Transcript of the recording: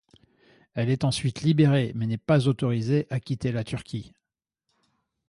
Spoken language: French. Elle est ensuite libérée mais n'est pas autorisée à quitter la Turquie.